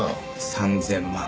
３０００万。